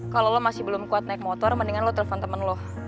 kalau lo masih belum kuat naik motor mendingan lo telepon temen lo